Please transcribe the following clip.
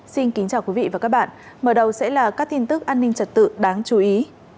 xin kính chào quý vị và các bạn mở đầu sẽ là các tin tức an ninh trật tự đáng chú ý